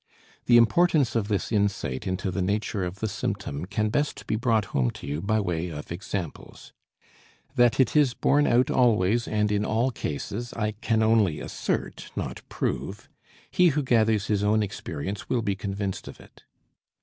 The importance of this insight into the nature of the symptom can best be brought home to you by way of examples. That it is borne out always and in all cases, I can only assert, not prove. He who gathers his own experience will be convinced of it.